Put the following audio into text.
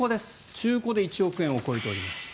中古で１億円を超えております。